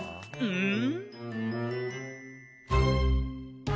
うん！